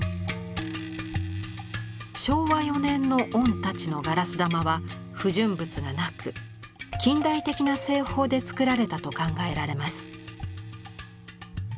昭和４年の御太刀のガラス玉は不純物がなく近代的な製法で作られたと考えられます。